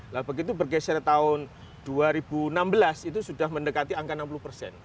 nah begitu bergeser tahun dua ribu enam belas itu sudah mendekati angka enam puluh persen